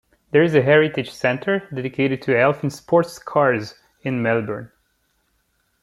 There is a heritage centre dedicated to Elfin Sports Cars in Melbourne.